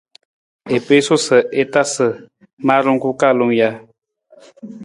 I piisu sa i tasa maarung ku kalung ja?